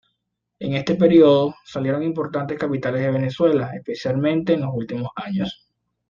En este período, salieron importantes capitales de Venezuela, especialmente en los últimos años.